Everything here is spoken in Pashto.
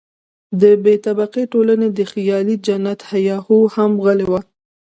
د بې طبقې ټولنې د خیالي جنت هیا هوی هم غلی وو.